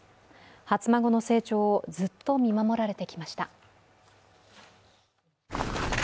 初孫の成長をずっと見守られてきました。